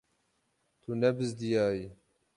Tu nebizdiyayî.